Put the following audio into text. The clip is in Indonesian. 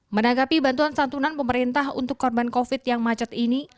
menanggapi bantuan santunan pemerintah untuk korban covid yang macet ini